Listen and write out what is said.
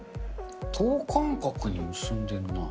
等間隔に結んでんな。